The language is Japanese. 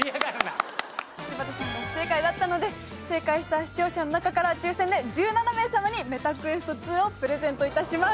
柴田さんが不正解だったので正解した視聴者の中から抽選で１７名様にＭｅｔａＱｕｅｓｔ２をプレゼント致します。